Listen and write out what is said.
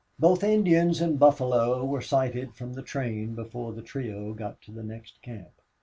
Both Indians and buffalo were sighted from the train before the trio got to the next camp.